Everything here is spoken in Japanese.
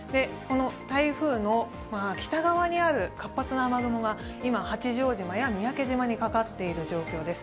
台風の北側にある活発な雨雲が八丈島や三宅島にかかっている状況です。